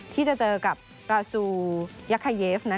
ที่จะเจอกับบราซูยักคาเยฟ